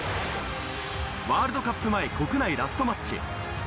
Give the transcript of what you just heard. ワールドカップ前、国内ラストマッチ。